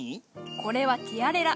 これは「ティアレラ」。